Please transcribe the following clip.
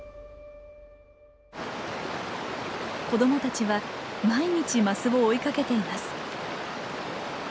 子どもたちは毎日マスを追いかけています。